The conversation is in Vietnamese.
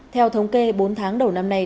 theo thống kê bốn tháng đầu năm nay